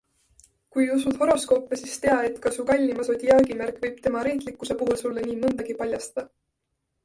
Kui usud horoskoope, siis tea, et ka su kallima sodiaagimärk võib tema reetlikkuse puhul sulle nii mõndagi paljastada.